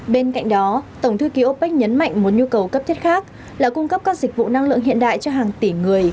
bên cạnh đó tổng thư ký opec nhấn mạnh một nhu cầu cấp thiết khác là cung cấp các dịch vụ năng lượng hiện đại cho hàng tỷ người